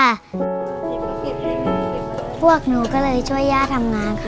พี่น้องของหนูก็ช่วยย่าทำงานค่ะ